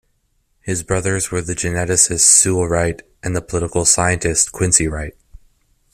His brothers were the geneticist Sewall Wright, and the political scientist Quincy Wright.